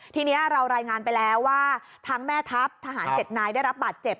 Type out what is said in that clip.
ทีนี้เรารายงานไปแล้วว่าทั้งแม่ทัพทหาร๗นายได้รับบาดเจ็บ